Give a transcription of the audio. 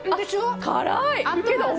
辛い！